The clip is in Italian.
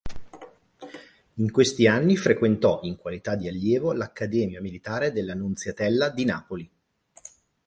In questi anni, frequentò in qualità di allievo l'Accademia Militare della Nunziatella di Napoli.